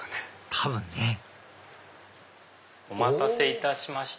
多分ねお待たせいたしました。